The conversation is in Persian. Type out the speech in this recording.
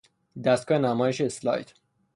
دستگاه نمایش اسلاید